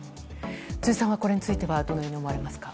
辻さんは、これについてどう思われますか？